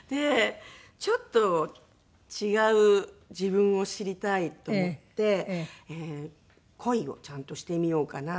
ちょっと違う自分を知りたいと思って恋をちゃんとしてみようかなと思って。